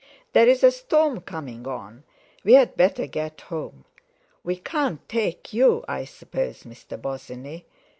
"There's a storm coming on. We'd better get home. We can't take you, I suppose, Mr. Bosinney?